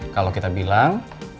kalau kita bilang